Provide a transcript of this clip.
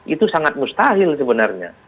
itu sangat mustahil sebenarnya